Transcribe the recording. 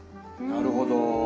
なるほど。